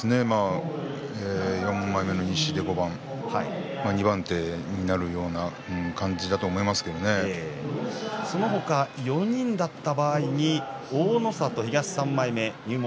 ４枚目の西で５番二番手になるような感じだとその他４人だった場合に大の里、東３枚目入門